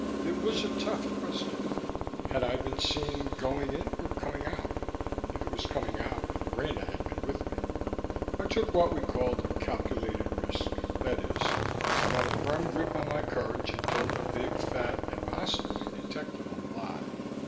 It was a tough question. Had I been seen going in or coming out? If it was coming out Rena had been with me. I took what we called a "calculated risk" that is, I got a firm grip on my courage and told a big fat and possibly detectable lie.